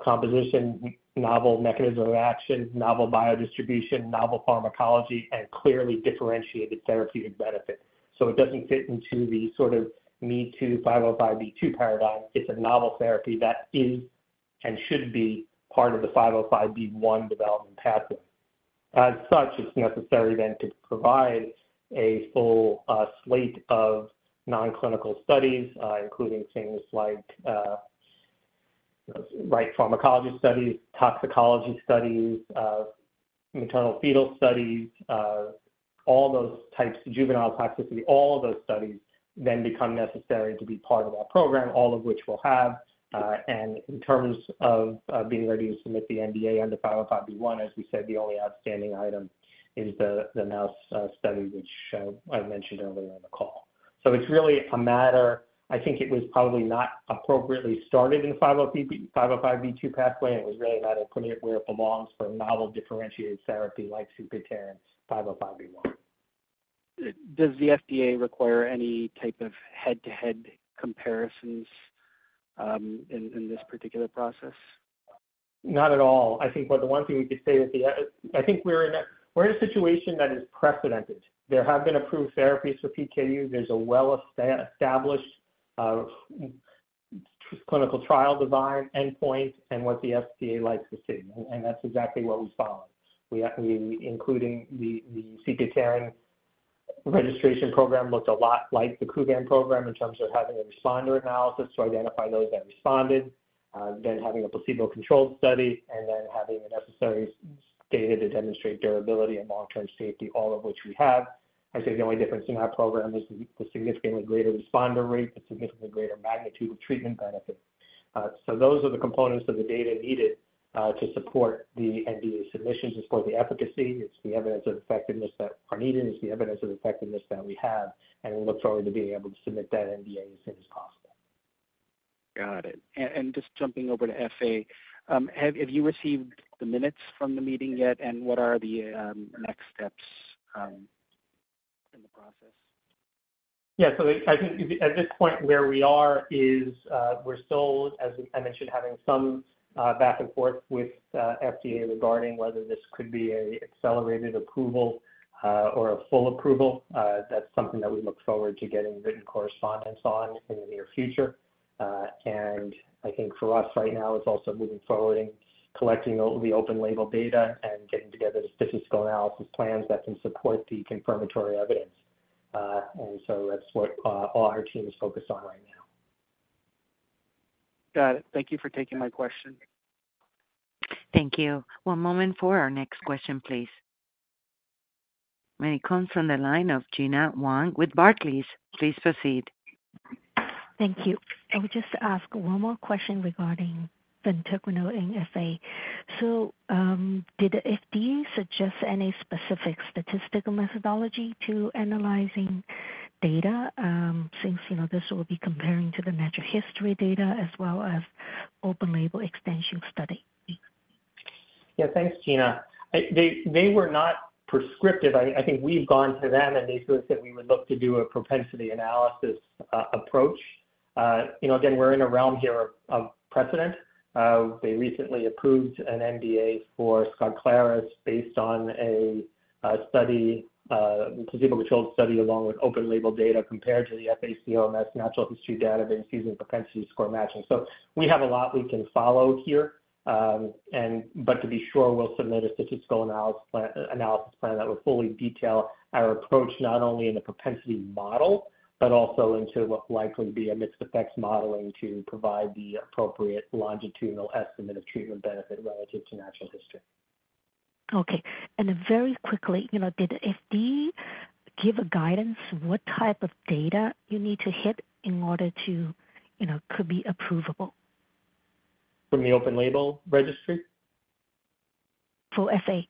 composition, novel mechanism of action, novel biodistribution, novel pharmacology, and clearly differentiated therapeutic benefit. So it doesn't fit into the sort of me-too-505(b)(2) paradigm. It's a novel therapy that is and should be part of the 505(b)(1) development pathway. As such, it's necessary then to provide a full slate of non-clinical studies, including things like ADME pharmacology studies, toxicology studies, maternal-fetal studies, all those types of juvenile toxicity. All of those studies then become necessary to be part of that program, all of which we'll have. In terms of being ready to submit the NDA under 505(b)(1), as we said, the only outstanding item is the mouse study, which I mentioned earlier on the call. It's really a matter I think it was probably not appropriately started in the 505(b)(2) pathway. It was really not in where it belongs for a novel differentiated therapy like sepiapterin 505(b)(1). Does the FDA require any type of head-to-head comparisons in this particular process? Not at all. I think the one thing we could say is, I think, we're in a situation that is precedented. There have been approved therapies for PKU. There's a well-established clinical trial design endpoint and what the FDA likes to see. And that's exactly what we follow, including the sepiapterin registration program looked a lot like the Kuvan program in terms of having a responder analysis to identify those that responded, then having a placebo-controlled study, and then having the necessary data to demonstrate durability and long-term safety, all of which we have. I'd say the only difference in that program is the significantly greater responder rate, the significantly greater magnitude of treatment benefit. So those are the components of the data needed to support the NDA submissions, to support the efficacy. It's the evidence of effectiveness that are needed. It's the evidence of effectiveness that we have. We look forward to being able to submit that NDA as soon as possible. Got it. And just jumping over to FA, have you received the minutes from the meeting yet? And what are the next steps in the process? Yeah. So I think at this point where we are, we're still, as I mentioned, having some back and forth with the FDA regarding whether this could be an accelerated approval or a full approval. That's something that we look forward to getting written correspondence on in the near future. And I think for us right now, it's also moving forward in collecting all the open-label data and getting together the statistical analysis plans that can support the confirmatory evidence. And so that's what all our team is focused on right now. Got it. Thank you for taking my question. Thank you. One moment for our next question, please. It comes from the line of Gena Wang with Barclays. Please proceed. Thank you. I would just ask one more question regarding vatiquinone and FA. So did the FDA suggest any specific statistical methodology to analyzing data since this will be comparing to the natural history data as well as open-label extension study? Yeah. Thanks, Gena. They were not prescriptive. I think we've gone to them, and they sort of said we would look to do a propensity analysis approach. Again, we're in a realm here of precedent. They recently approved an NDA for Skyclarys based on a placebo-controlled study along with open label data compared to the FACOMS natural history database using propensity score matching. So we have a lot we can follow here. But to be sure, we'll submit a statistical analysis plan that will fully detail our approach not only in the propensity model but also into what will likely be a mixed-effects modeling to provide the appropriate longitudinal estimate of treatment benefit relative to natural history. Okay. And very quickly, did the FDA give guidance what type of data you need to hit in order to could be approvable? From the open label registry? For FA.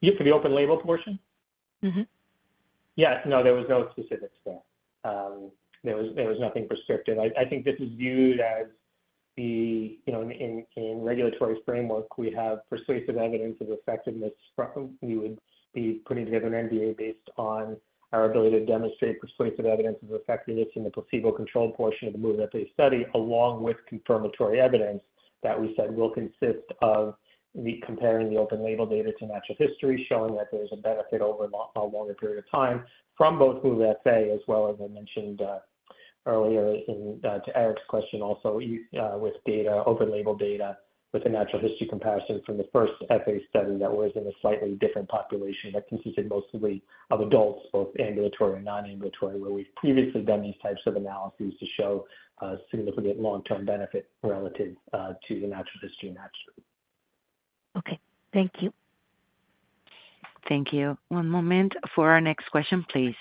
Yeah. For the open label portion? Mm-hmm. Yeah. No, there was no specifics there. There was nothing prescriptive. I think this is viewed as within the regulatory framework, we have persuasive evidence of effectiveness. We would be putting together an NDA based on our ability to demonstrate persuasive evidence of effectiveness in the placebo-controlled portion of the MOVE-FA study along with confirmatory evidence that we said will consist of comparing the open label data to natural history, showing that there's a benefit over a longer period of time from both MOVE-FA as well as I mentioned earlier to Eric's question also with open label data with the natural history comparison from the first FA study that was in a slightly different population that consisted mostly of adults, both ambulatory and non-ambulatory, where we've previously done these types of analyses to show significant long-term benefit relative to the natural history and natural history. Okay. Thank you. Thank you. One moment for our next question, please.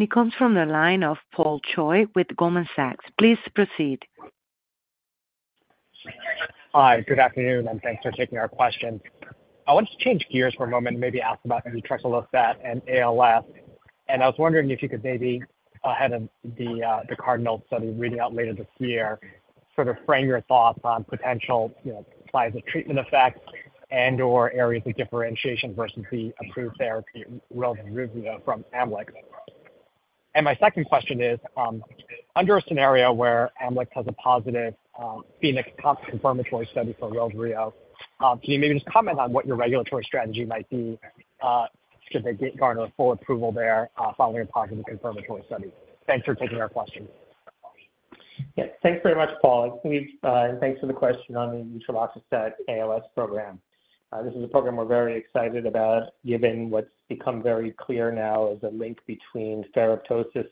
It comes from the line of Paul Choi with Goldman Sachs. Please proceed. Hi. Good afternoon, and thanks for taking our question. I wanted to change gears for a moment and maybe ask about utreloxostat and ALS. And I was wondering if you could maybe ahead of the CARDINAL study reading out later this year sort of frame your thoughts on potential size of treatment effects and/or areas of differentiation versus the approved therapy Relyvrio from Amylyx. And my second question is, under a scenario where Amylyx has a positive Phoenix confirmatory study for Relyvrio, can you maybe just comment on what your regulatory strategy might be should they garner full approval there following a positive confirmatory study? Thanks for taking our questions. Yes. Thanks very much, Paul. Thanks for the question on the utreloxostat ALS program. This is a program we're very excited about given what's become very clear now as a link between ferroptosis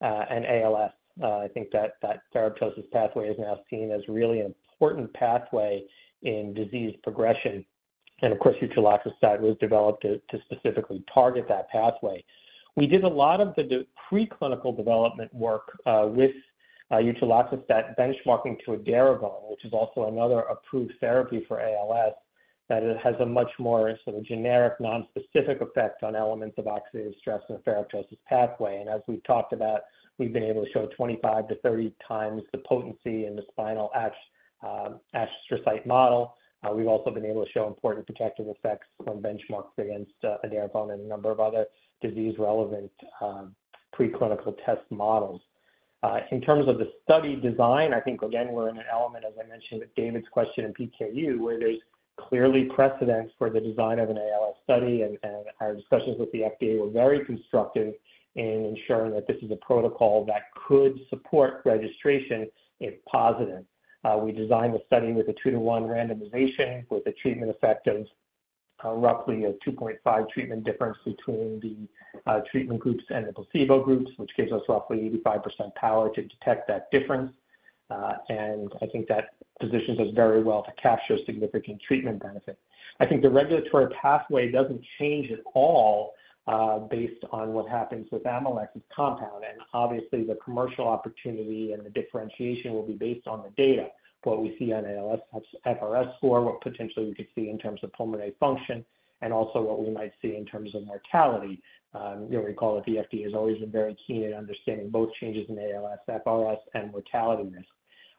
and ALS. I think that ferroptosis pathway is now seen as really an important pathway in disease progression. And of course, utreloxostat was developed to specifically target that pathway. We did a lot of the preclinical development work with utreloxostat benchmarking to Relyvrio, which is also another approved therapy for ALS that has a much more sort of generic, nonspecific effect on elements of oxidative stress in the ferroptosis pathway. And as we've talked about, we've been able to show 25-30x the potency in the spinal astrocytes model. We've also been able to show important protective effects when benchmarked against Relyvrio and a number of other disease-relevant preclinical test models. In terms of the study design, I think, again, we're in an element, as I mentioned with David's question in PKU, where there's clearly precedent for the design of an ALS study. And our discussions with the FDA were very constructive in ensuring that this is a protocol that could support registration if positive. We designed the study with a two-to-one randomization with a treatment effect of roughly a 2.5 treatment difference between the treatment groups and the placebo groups, which gives us roughly 85% power to detect that difference. And I think that positions us very well to capture significant treatment benefit. I think the regulatory pathway doesn't change at all based on what happens with AMLEX's compound. And obviously, the commercial opportunity and the differentiation will be based on the data, what we see on ALSFRS score, what potentially we could see in terms of pulmonary function, and also what we might see in terms of mortality. We call it the FDA has always been very keen at understanding both changes in ALSFRS and mortality risk.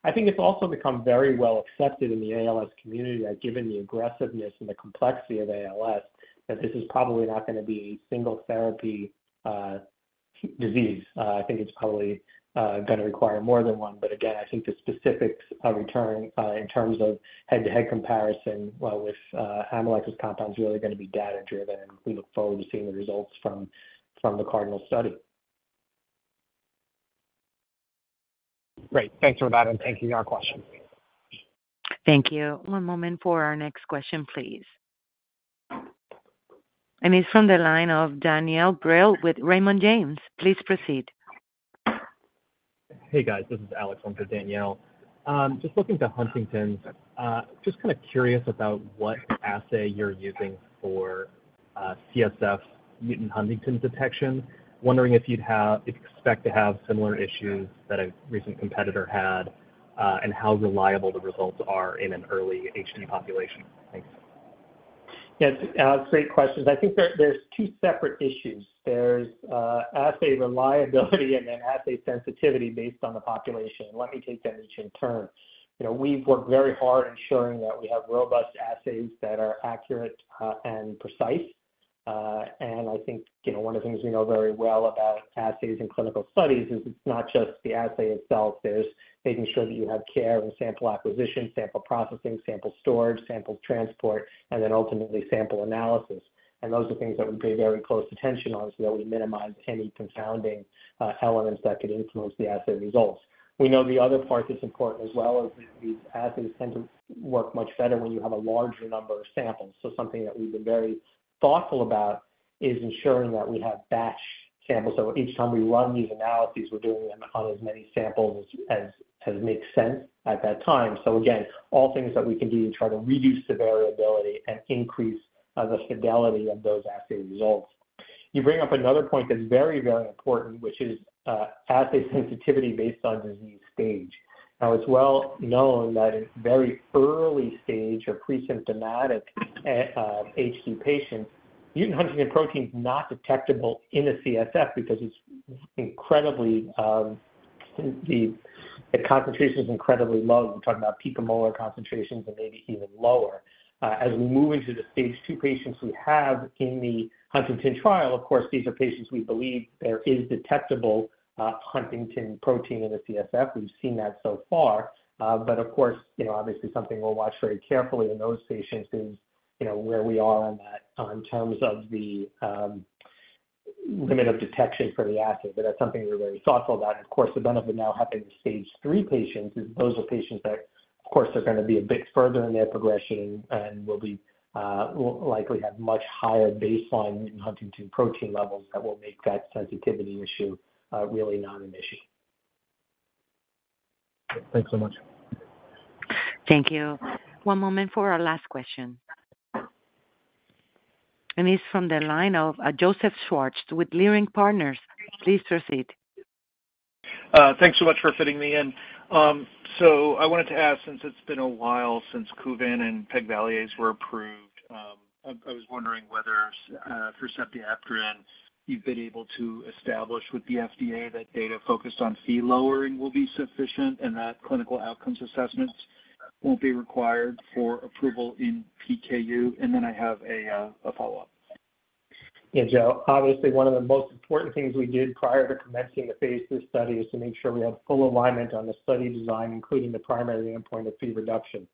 I think it's also become very well accepted in the ALS community that given the aggressiveness and the complexity of ALS, that this is probably not going to be a single therapy disease. I think it's probably going to require more than one. But again, I think the specifics are returning in terms of head-to-head comparison with AMLEX's compound is really going to be data-driven. And we look forward to seeing the results from the CARDINAL study. Great. Thanks for that. Thank you for your questions. Thank you. One moment for our next question, please. It's from the line of Danielle Brill with Raymond James. Please proceed. Hey, guys. This is Alex from for Daniel. Just looking to Huntington's. Just kind of curious about what assay you're using for CSF mutant Huntington detection. Wondering if you expect to have similar issues that a recent competitor had and how reliable the results are in an early HD population. Thanks. Yeah. Great questions. I think there's two separate issues. There's assay reliability and then assay sensitivity based on the population. Let me take them each in turn. We've worked very hard ensuring that we have robust assays that are accurate and precise. I think one of the things we know very well about assays and clinical studies is it's not just the assay itself. There's making sure that you have care and sample acquisition, sample processing, sample storage, sample transport, and then ultimately sample analysis. Those are things that we pay very close attention on so that we minimize any confounding elements that could influence the assay results. We know the other part that's important as well is that these assays tend to work much better when you have a larger number of samples. So something that we've been very thoughtful about is ensuring that we have batch samples. So each time we run these analyses, we're doing them on as many samples as makes sense at that time. So again, all things that we can do to try to reduce the variability and increase the fidelity of those assay results. You bring up another point that's very, very important, which is assay sensitivity based on disease stage. Now, it's well known that in very early stage or presymptomatic HD patients, mutant Huntington protein is not detectable in the CSF because the concentration is incredibly low. We're talking about picomolar concentrations and maybe even lower. As we move into the stage II patients we have in the Huntington trial, of course, these are patients we believe there is detectable Huntington protein in the CSF. We've seen that so far. But of course, obviously, something we'll watch very carefully in those patients is where we are on that in terms of the limit of detection for the assay. But that's something we're very thoughtful about. And of course, the benefit now having the stage III patients is those are patients that, of course, are going to be a bit further in their progression and will likely have much higher baseline mutant Huntington protein levels that will make that sensitivity issue really not an issue. Thanks so much. Thank you. One moment for our last question. It's from the line of Joseph Schwartz with Leerink Partners. Please proceed. Thanks so much for fitting me in. So I wanted to ask, since it's been a while since Kuvan and Pegvaliase were approved, I was wondering whether for sepiapterin, you've been able to establish with the FDA that data focused on Phe lowering will be sufficient and that clinical outcomes assessments won't be required for approval in PKU? And then I have a follow-up. Yeah, Joe. Obviously, one of the most important things we did prior to commencing the phase III study is to make sure we had full alignment on the study design, including the primary endpoint of Phe reduction.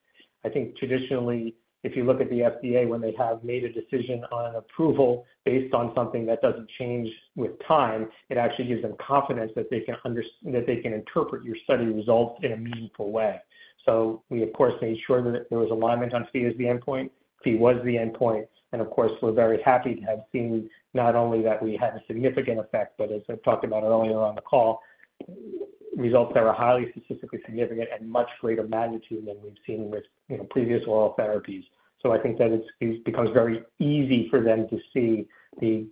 I think traditionally, if you look at the FDA, when they have made a decision on an approval based on something that doesn't change with time, it actually gives them confidence that they can interpret your study results in a meaningful way. So we, of course, made sure that there was alignment on Phe as the endpoint. Phe was the endpoint. And of course, we're very happy to have seen not only that we had a significant effect, but as I talked about earlier on the call, results that are highly statistically significant and much greater magnitude than we've seen with previous oral therapies. I think that it becomes very easy for them to see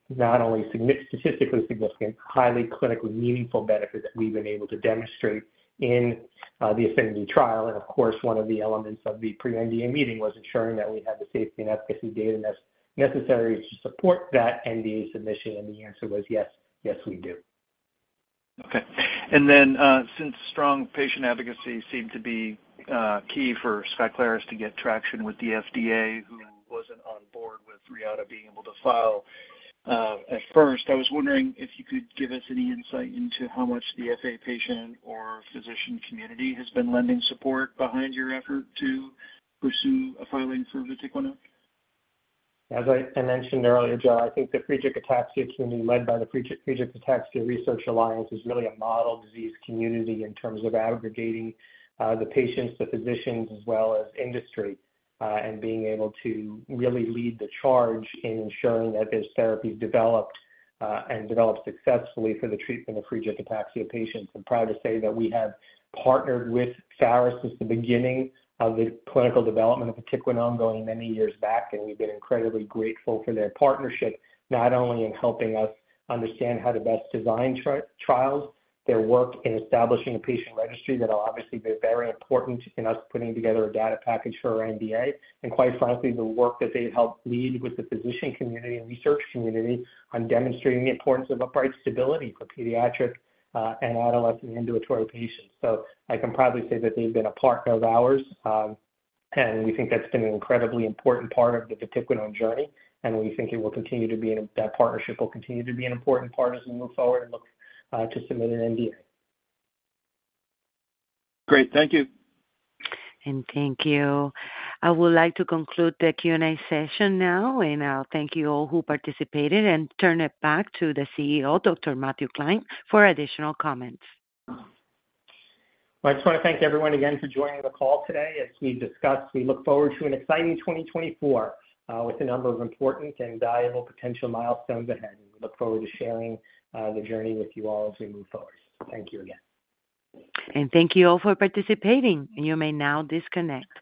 not only the statistically significant, highly clinically meaningful benefit that we've been able to demonstrate in the APHENITY trial. Of course, one of the elements of the pre-NDA meeting was ensuring that we had the safety and efficacy data necessary to support that NDA submission. The answer was, yes, yes, we do. Okay. And then since strong patient advocacy seemed to be key for Skyclarys to get traction with the FDA, who wasn't on board with Reata being able to file at first, I was wondering if you could give us any insight into how much the FA patient or physician community has been lending support behind your effort to pursue a filing for vatiquinone? As I mentioned earlier, Joe, I think the Friedreich's ataxia community led by the Friedreich's Ataxia Research Alliance is really a model disease community in terms of aggregating the patients, the physicians, as well as industry and being able to really lead the charge in ensuring that those therapies developed and developed successfully for the treatment of Friedreich's ataxia patients. I'm proud to say that we have partnered with FARA since the beginning of the clinical development of vatiquinone going many years back. And we've been incredibly grateful for their partnership not only in helping us understand how to best design trials, their work in establishing a patient registry that will obviously be very important in us putting together a data package for our NDA. Quite frankly, the work that they've helped lead with the physician community and research community on demonstrating the importance of upright stability for pediatric and adolescent ambulatory patients. So I can proudly say that they've been a partner of ours. And we think that's been an incredibly important part of the vatiquinone journey. And we think it will continue to be, that partnership will continue to be an important part as we move forward and look to submit an NDA. Great. Thank you. Thank you. I would like to conclude the Q&A session now. I'll thank you all who participated and turn it back to the CEO, Dr. Matthew Klein, for additional comments. Well, I just want to thank everyone again for joining the call today. As we've discussed, we look forward to an exciting 2024 with a number of important and valuable potential milestones ahead. We look forward to sharing the journey with you all as we move forward. Thank you again. Thank you all for participating. You may now disconnect.